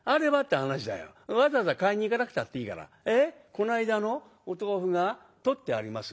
この間のお豆腐が取ってあります？